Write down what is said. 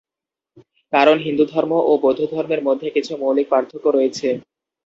কারণ, হিন্দুধর্ম ও বৌদ্ধধর্মের মধ্যে কিছু মৌলিক পার্থক্য রয়েছে।